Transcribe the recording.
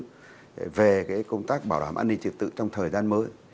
bộ chính trị ban bí thư về công tác bảo đảm an ninh triệt tự trong thời gian mới